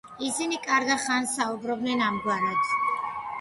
ისინი კარგა ხანს საუბრობდნენ ამგვარად.